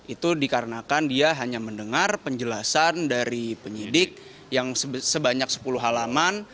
itu dikarenakan dia hanya mendengar penjelasan dari penyidik yang sebanyak sepuluh halaman